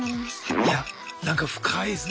いやなんか深いですね